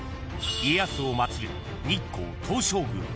家康を祭る日光東照宮。